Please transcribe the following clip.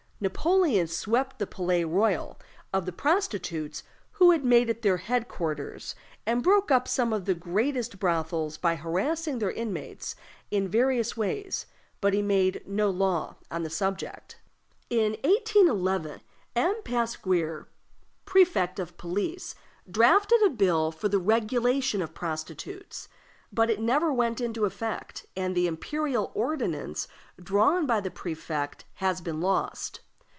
Napoleon swept the Palais Royal of the prostitutes who had made it their head quarters, and broke up some of the greatest brothels by harassing their inmates in various ways, but he made no law on the subject. In 1811, M. Pasquier, Prefect of Police, drafted a bill for the regulation of prostitutes, but it never went into effect, and the imperial ordinance drawn by the prefect has been lost.